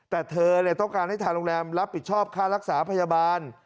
แต่เธอต้องการให้ทางโรงแรมรับผิดชอบค่ารักษาพยาบาล